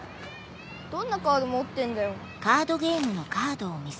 どんなカード持ってんだよダッセェ！